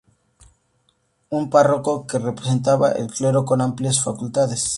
Un párroco: que representaba al Clero con amplias facultades.